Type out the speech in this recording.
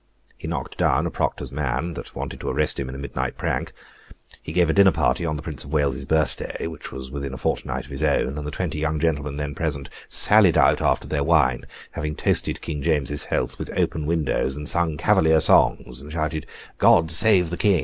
He knocked down a proctor's man that wanted to arrest him in a midnight prank; he gave a dinner party on the Prince of Wales's birthday, which was within a fortnight of his own, and the twenty young gentlemen then present sallied out after their wine, having toasted King James's health with open windows, and sung cavalier songs, and shouted "God save the King!"